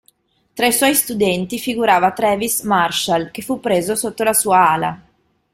Tra i suoi studenti figurava Travis Marshall, che fu preso sotto la sua ala.